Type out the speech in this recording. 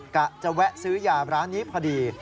กะจะแวะซื้อยาร้านนี้พอดี